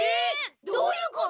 どういうこと！？